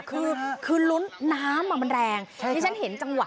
คือคือลุ้นน้ำมันแรงที่ฉันเห็นจังหวะ